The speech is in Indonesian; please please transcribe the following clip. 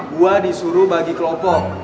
lo disuruh bagi kelompok